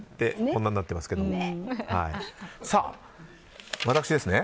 こんなんなってますけども。